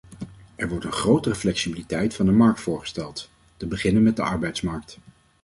Er wordt een grotere flexibiliteit van de markt voorgesteld, te beginnen met de arbeidsmarkt.